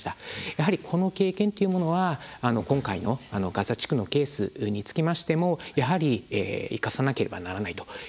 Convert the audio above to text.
やはりこの経験っていうものは今回のガザ地区のケースにつきましてもやはり生かさなければならないという点は１ついえると思います。